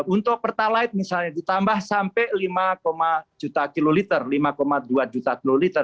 untuk pertalite misalnya ditambah sampai lima dua juta kiloliter